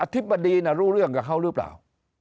ธิบดีรู้เรื่องกับเขาหรือเปล่า